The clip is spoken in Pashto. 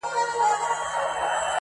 • چي ناڅاپه د شاهین د منګول ښکار سو -